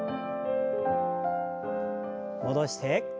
戻して。